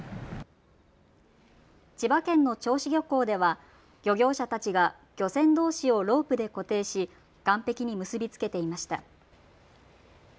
千葉県の銚子漁港では漁業者たちが漁船どうしをロープで固定し岸壁に結び付けていました。